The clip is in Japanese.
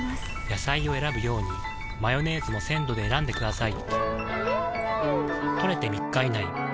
野菜を選ぶようにマヨネーズも鮮度で選んでくださいん！